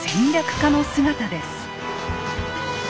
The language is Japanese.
家の姿です。